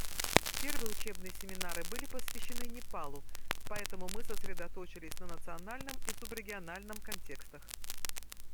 Первые учебные семинары были посвящены Непалу, поэтому мы сосредоточились на национальном и субрегиональном контекстах.